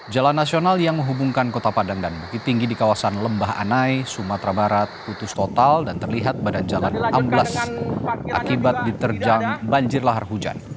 jalan nasional yang menghubungkan kota padang dan bukit tinggi di kawasan lembah anai sumatera barat putus total dan terlihat badan jalan amblas akibat diterjang banjir lahar hujan